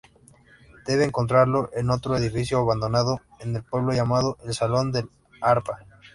Debe encontrarlo en otro edificio abandonado en el pueblo, llamado el Salón del Arpa.